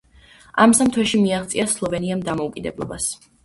ამ სამ თვეში მიაღწია სლოვენიამ დამოუკიდებლობას.